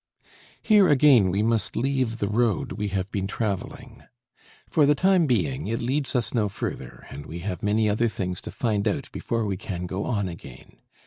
Here again we must leave the road we have been traveling. For the time being, it leads us no further and we have many other things to find out before we can go on again.